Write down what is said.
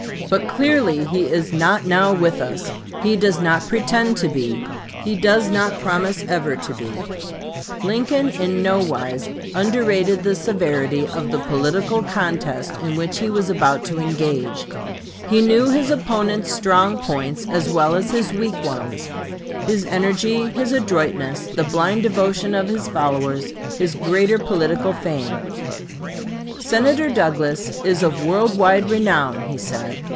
But clearly he is not now with us he does not pretend to be he does not promise ever to be." Lincoln, Springfield Speech, July 17, 1858. Debates, p. 55. Lincoln in nowise underrated the severity of the political contest in which he was about to engage. He knew his opponent's strong points as well as his weak ones his energy, his adroitness, the blind devotion of his followers, his greater political fame. "Senator Douglas is of world wide renown," he said.